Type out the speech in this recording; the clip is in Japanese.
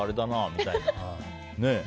みたいなね。